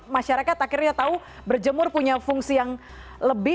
masyarakat akhirnya tahu berjemur punya fungsi yang lebih